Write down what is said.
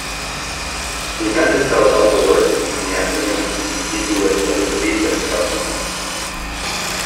The event is held outdoors in the afternoon, in keeping with Elizabethan custom.